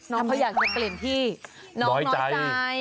น้องเขาอยากจะเปลี่ยนที่น้อยใจ